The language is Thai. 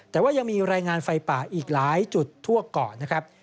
แต่ว่ายังมีรายงานไฟป่าอีกหลายจุดทั่วเกาะนะครับ